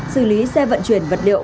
xử lý xe vận chuyển vật liệu